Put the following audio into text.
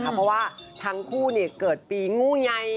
เพราะว่าทั้งคู่เกิดปีงูใหญ่